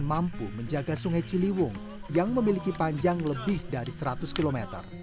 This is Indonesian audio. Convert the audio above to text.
mampu menjaga sungai ciliwung yang memiliki panjang lebih dari seratus km